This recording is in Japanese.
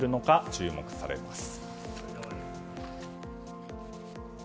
注目されます。